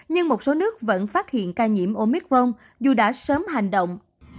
nhưng một số nước vẫn phát hiện ca nhiễm omicron dù đã sớm hành động